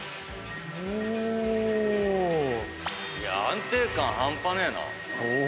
安定感半端ねえな。